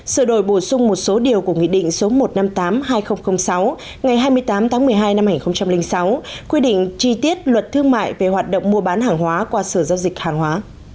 sửa đổi bổ sung một số điều của nghị định số một trăm năm mươi tám hai nghìn sáu ngày hai mươi tám tháng một mươi hai năm hai nghìn sáu quy định chi tiết luật thương mại về hoạt động mua bán hàng hóa qua sở giao dịch hàng hóa